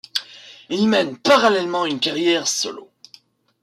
Il mène parallèlement une carrière solo.